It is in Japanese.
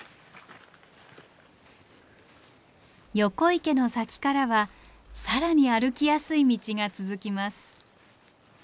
横池の先からは更に歩きやすい道が続きます。